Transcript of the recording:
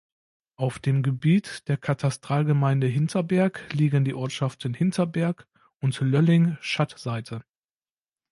Auf dem Gebiet der Katastralgemeinde Hinterberg liegen die Ortschaften Hinterberg und Lölling Schattseite.